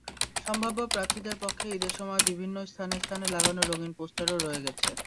সম্ভাব্য প্রার্থীদের পক্ষে ঈদের সময় বিভিন্ন স্থানে লাগানো রঙিন পোস্টারও রয়ে গেছে।